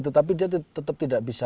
tetapi dia tetap tidak bisa